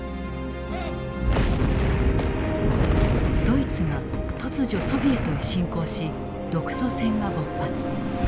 ドイツが突如ソビエトへ侵攻し独ソ戦が勃発。